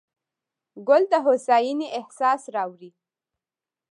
ګل د هوساینې احساس راوړي.